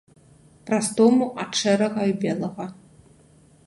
Пра стому ад шэрага і белага.